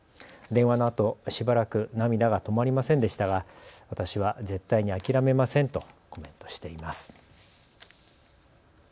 電話のあとしばらく涙が止まりませんでしたが私は絶対に諦めませんとコメントしています。